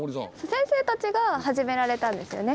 先生たちが始められたんですよね？